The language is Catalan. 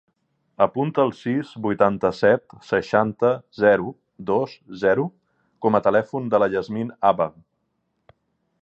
Apunta el sis, vuitanta-set, seixanta, zero, dos, zero com a telèfon de la Yasmine Haba.